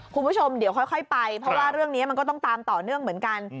คุณผู้ชมเดี๋ยวค่อยไปเพราะว่าเรื่องนี้มันก็ต้องตามต่อเนื่องเหมือนกัน